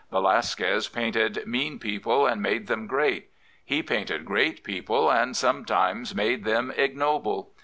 Velasquez painted mean people and made them great. He painted great people and sometimes made them ignoble.